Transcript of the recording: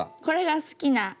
これが好きな。